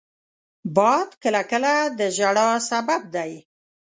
باد کله کله د ژړا سبب دی